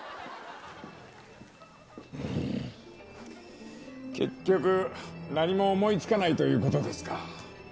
うーん、結局何も思いつかないということですか。